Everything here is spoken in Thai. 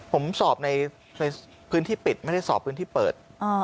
ผมสอบในพื้นที่ปิดไม่ได้สอบพื้นที่เปิด